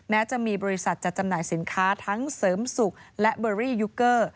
แม้จะมีบริษัทจัดจำหน่ายสินค้าทั้งเสริมสุขและเบอรี่ยุคเกอร์